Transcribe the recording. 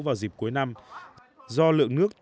vào dịp cuối năm do lượng nước